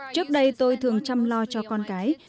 trước đây tôi thường chăm lo cho con cái